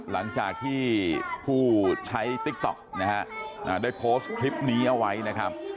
หลังจากที่ผู้ใช้ติ๊กต๊อกนะฮะได้โพสต์คลิปนี้เอาไว้นะครับ